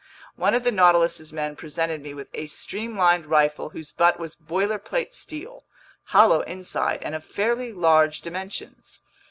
One of the Nautilus's men presented me with a streamlined rifle whose butt was boilerplate steel, hollow inside, and of fairly large dimensions.